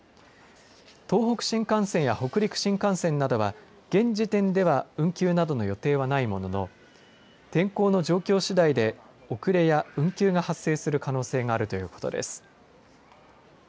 東北新幹線や北陸新幹線などは現時点では運休などの予定はないものの天候の状況次第で遅れや運休が発生する可能性があるということです。